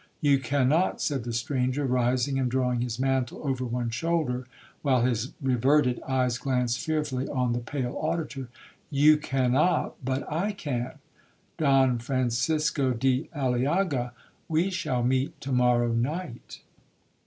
'You cannot,' said the stranger, rising and drawing his mantle over one shoulder, while his reverted eyes glanced fearfully on the pale auditor—'You cannot,—but I can. Don Francisco di Aliaga, we shall meet tomorrow night!'